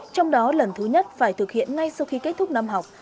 trong đó lần thứ nhất phải thực hiện ngay sau khi kết thúc năm học